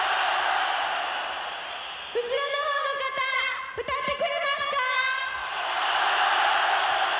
後ろの方の方歌ってくれますか？